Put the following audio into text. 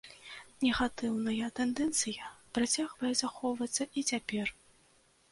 Негатыўная тэндэнцыя працягвае захоўвацца і цяпер.